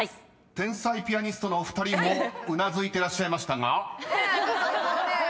［天才ピアニストのお二人もうなずいてらっしゃいましたが］